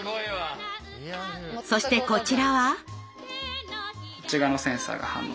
そしてこちらは。